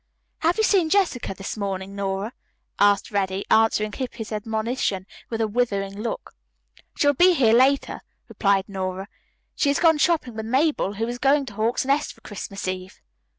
"Have you seen Jessica this morning, Nora?" asked Reddy, answering Hippy's admonition with a withering look. "She will be here later," replied Nora. "She has gone shopping with Mabel, who is going to Hawk's Nest for Christmas Eve."